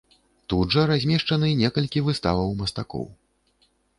Тут жа размешчаны некалькі выставаў мастакоў.